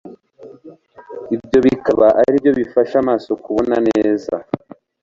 ibyo bikaba ari byo bifasha amaso kubona neza.